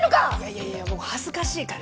いやいや恥ずかしいから